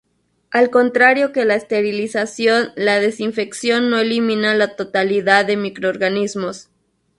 Al contrario que la esterilización, la desinfección no elimina la totalidad de microorganismos.